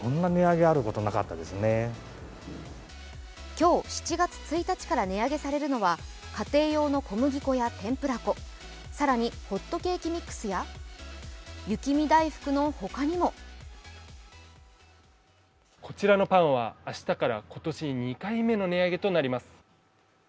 今日７月１日から値上げされるのは家庭用の小麦粉や天ぷら粉、更に、ホットケーキミックスや雪見だいふくの他にもこちらのパンは明日から今年２回目の値上げとなります。